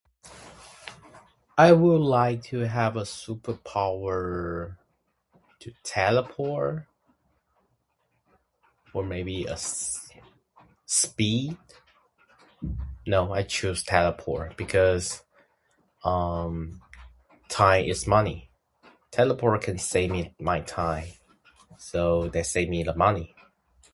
I would like to have a superpower to teleport, or maybe a speed? No, I choose teleport because umm time is money. Teleport can save me my time, so they save me the money.